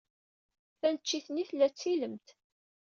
Taneččit-nni tella d tilemt.